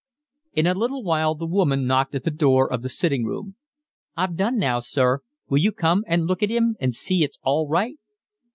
In a little while the woman knocked at the door of the sitting room. "I've done now, sir. Will you come and look at 'im and see it's all right?"